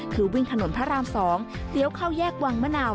คือวิ่งถนนพระราม๒เลี้ยวเข้าแยกวังมะนาว